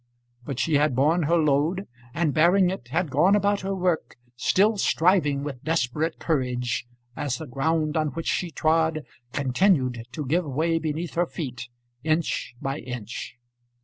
But she had borne her load, and, bearing it, had gone about her work, still striving with desperate courage as the ground on which she trod continued to give way beneath her feet, inch by inch.